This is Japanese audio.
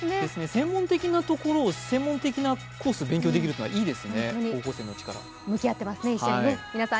専門的なところを専門的なコース勉強できるっていいですね